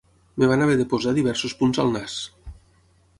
Em van haver de posar diversos punts al nas.